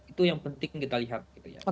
itu yang penting kita lihat